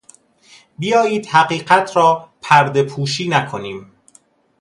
بیایید حقیقت را پرده پوشی نکنیم!